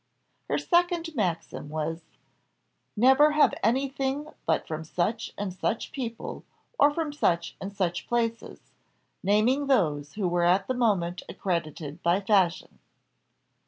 Her second maxim was "Never have anything but from such and such people, or from such and such places," naming those who were at the moment accredited by fashion.